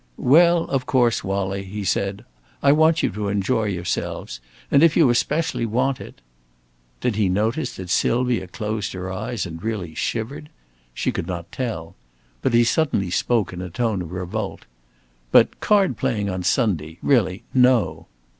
"Well, of course, Wallie," he said, "I want you to enjoy yourselves. And if you especially want it " Did he notice that Sylvia closed her eyes and really shivered? She could not tell. But he suddenly spoke in a tone of revolt: "But card playing on Sunday. Really no!"